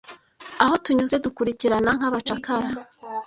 Aho tunyuze dukurikirana nk'abacakara;